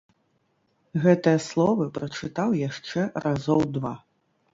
Гэтыя словы прачытаў яшчэ разоў два.